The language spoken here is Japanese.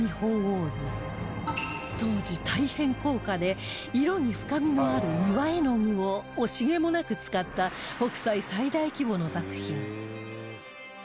当時大変高価で色に深みのある岩絵具を惜しげもなく使った北斎最大規模の作品